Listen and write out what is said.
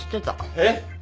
えっ！？